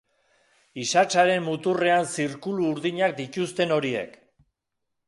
Isatsaren muturrean zirkulu urdinak dituzten horiek.